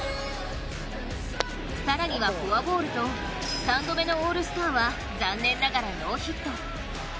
更にはフォアボールと３度目のオールスターは残念ながらノーヒット。